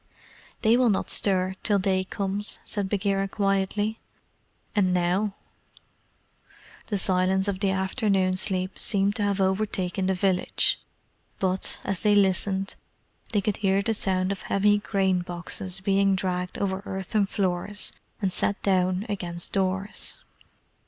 "They will not stir till day comes," said Bagheera quietly. "And now?" The silence of the afternoon sleep seemed to have overtaken the village; but, as they listened, they could hear the sound of heavy grain boxes being dragged over earthen floors and set down against doors.